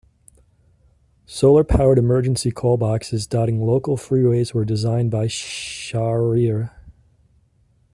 Solar-powered emergency call boxes dotting local freeways were designed by Shahryar.